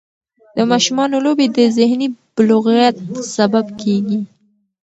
د ماشومانو لوبې د ذهني بلوغت سبب کېږي.